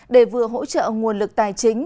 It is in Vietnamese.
để vừa hỗ trợ nguồn lực tài chính